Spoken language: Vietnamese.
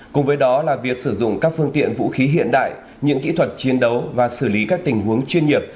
cùng với đó là việc sử dụng các phương tiện vũ khí hiện đại những kỹ thuật chiến đấu và xử lý các tình huống chuyên nghiệp